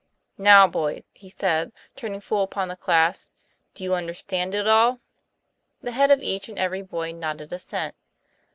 " Now, boys," he said, turning full upon the class, "do you understand it all?" The head of each and every boy nodded assent.